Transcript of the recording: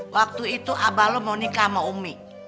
waktu itu abah lu mau nikah sama umi